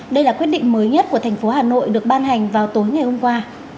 đây là quyết định mới nhất của thành phố hà nội được ban hành vào tối ngày hôm qua